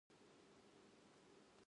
映画見にいこう